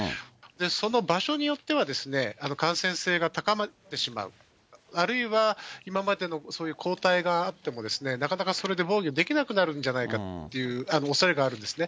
その場所によっては、感染性が高まってしまう、あるいは今までのそういう抗体があっても、なかなかそれで防御できなくなるんじゃないかというおそれがあるんですね。